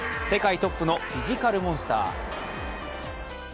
世界トップのフィジカルモンスター。